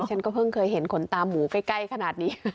ฉันก็เพิ่งเคยเห็นขนตาหมูใกล้ขนาดนี้